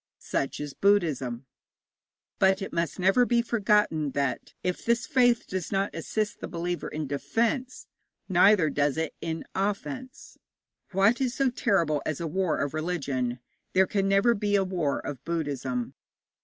Such is Buddhism. But it must never be forgotten that, if this faith does not assist the believer in defence, neither does it in offence. What is so terrible as a war of religion? There can never be a war of Buddhism.